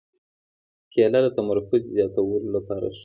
کېله د تمرکز زیاتولو لپاره ښه ده.